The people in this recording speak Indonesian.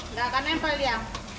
enggak enggak akan nempel dia